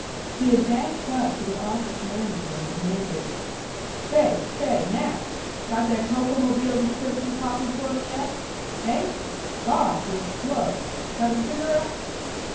He had dashed up to the office manager and demanded, "Say! Say! Nat! Got that Kokomobile description copied for me yet? Heh? Gawd! you're slow. Got a cigarette?"